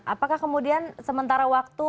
apakah kemudian sementara waktu